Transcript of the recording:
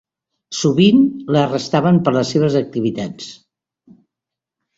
Sovint l'arrestaven per les seves activitats.